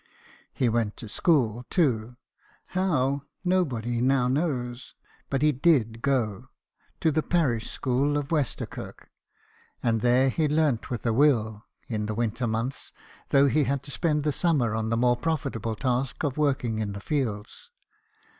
He went to school, too ; how, nobody now knows : but he did go, to the parish school of Westerkirk, and there he learnt with a will, in the winter months, though he had 8 BIOGRAPHIES OF WORKING MEN. to spend the summer on the more profitable task of working in the fields.